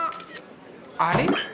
あれ？